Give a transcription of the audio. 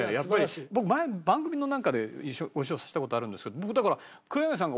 僕前番組のなんかでご一緒した事あるんですけど僕だから黒柳さんが。